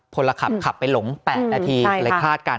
พลขับขับไปหลง๘นาทีเลยคลาดกัน